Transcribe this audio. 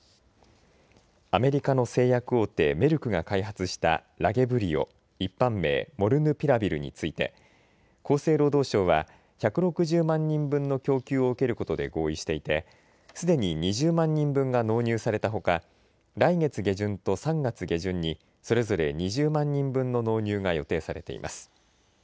アメリカの製薬大手、メルクが開発したラゲブリオ、一般名、モルヌピラビルについて厚生労働省は、１６０万人分の供給を受けることで合意していて、すでに２０万人分が納入されたほか来月下旬と３月下旬にそれぞれ２０万人分の納入が予定されています。